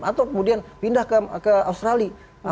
atau kemudian pindah ke australia